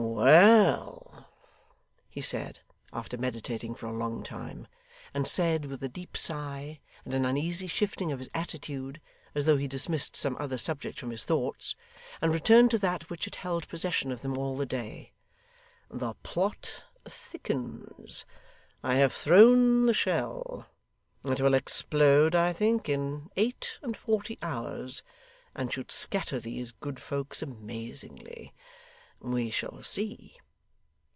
'Well!' he said, after meditating for a long time and said with a deep sigh and an uneasy shifting of his attitude, as though he dismissed some other subject from his thoughts, and returned to that which had held possession of them all the day 'the plot thickens; I have thrown the shell; it will explode, I think, in eight and forty hours, and should scatter these good folks amazingly. We shall see!